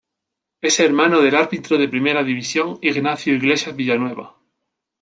Es hermano del árbitro de Primera División Ignacio Iglesias Villanueva.